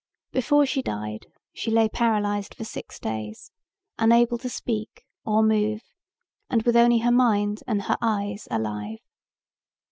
Before she died she lay paralyzed for six days unable to speak or move and with only her mind and her eyes alive.